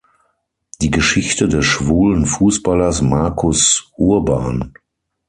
Die Geschichte des schwulen Fußballers Marcus Urban“.